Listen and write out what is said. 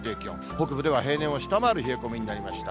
北部では平年を下回る冷え込みになりました。